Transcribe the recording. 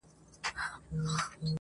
نن داخبره درلېږمه تاته.